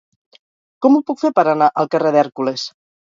Com ho puc fer per anar al carrer d'Hèrcules?